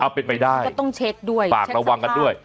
เอาเป็นไปได้ก็ต้องเช็คด้วย